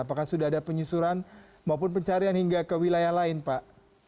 apakah sudah ada penyusuran maupun pencarian hingga ke wilayah lain pak